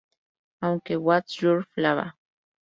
Aunque "What's Your Flava?